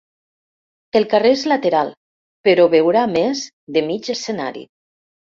El carrer és lateral, però veurà més de mig escenari.